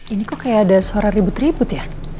ini kok kayak ada suara ribut ribut ya